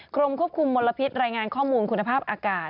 กรมควบคุมมลพิษรายงานข้อมูลคุณภาพอากาศ